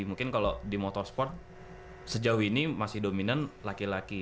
mungkin kalo di motorsport sejauh ini masih dominan laki laki